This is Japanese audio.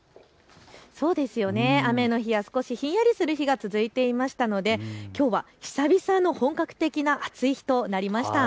雨の日は少しひんやりする日が続いていましたのできょうは久々の本格的な暑い日となりました。